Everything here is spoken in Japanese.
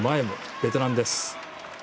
ベテランです。